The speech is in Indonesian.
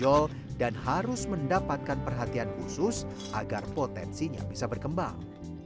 memiliki bakat yang menonjol dan harus mendapatkan perhatian khusus agar potensinya bisa berkembang